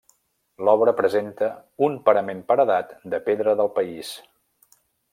L'obra presenta un parament paredat de pedra del país.